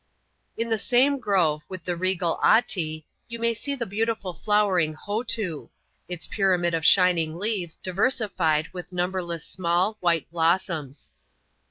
In the same grove with the regal " Ati^^ you may see the beautiful flowering ^^Hotoo;^ its pyramid of shining leaves ' diveraiBed with numberless smslV wW^ ^slosaoms.